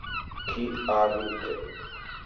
Kl., Abt.